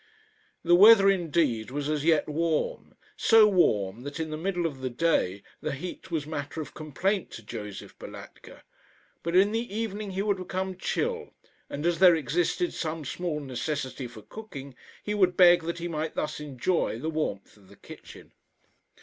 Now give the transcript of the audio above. The weather, indeed, was as yet warm so warm that in the middle of the day the heat was matter of complaint to Josef Balatka; but in the evening he would become chill; and as there existed some small necessity for cooking, he would beg that he might thus enjoy the warmth of the kitchen.